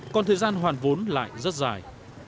còn thời gian hoàn vốn lại rất dài